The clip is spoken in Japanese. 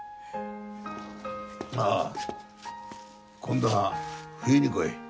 ああ今度は冬に来い。